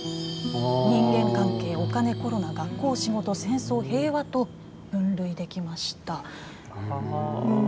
人間関係、お金、コロナ学校、仕事、戦争、平和と分類できました。